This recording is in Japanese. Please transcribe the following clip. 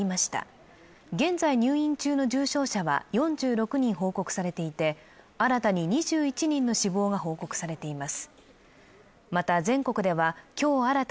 現在、入院中の重症者は４６人報告されていて新たに２１人の死亡が報告されています。